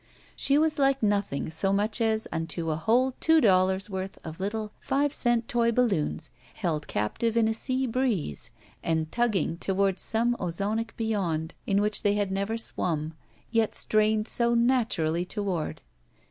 She was like nothing so much as unto a whole two dollars* worth of little five cent toy balloons held captive in a sea breeze and tugging toward some ozonic beyond in which they had never swum, yet strained so naturally toward.